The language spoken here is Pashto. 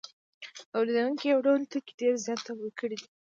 تولیدونکو یو ډول توکي ډېر زیات تولید کړي دي